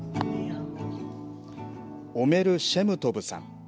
オメル・シェムトブさん。